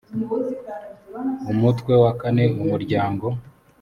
umutwe wa kane umuryango